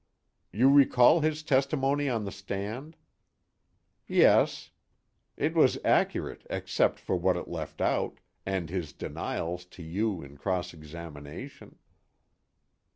"You recall his testimony on the stand?" "Yes. It was accurate except for what it left out, and his denials to you in cross examination."